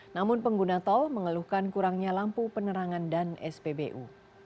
namun pengguna tol mengeluhkan kurangnya lampu penerangan dan spbu